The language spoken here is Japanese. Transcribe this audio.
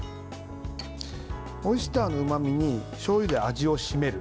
オイスターのうまみにしょうゆで味を締める。